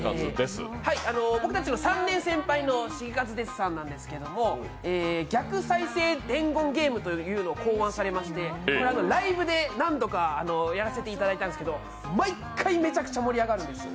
僕たちの３年先輩のシゲカズですさんなんですけど逆再生伝言ゲームというのを考案されましてライブで何度かやらせていただいたんですけど毎回、めちゃくちゃ盛り上がるんですよ。